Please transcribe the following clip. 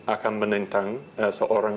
akan menentang seorang